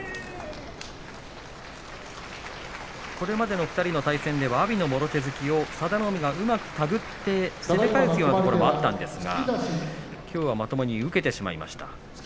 これまでの２人の対戦では阿炎のもろ手突きを佐田の海が手繰って攻め返すようなところもあったんですがきょうはまともに受けてしまいました。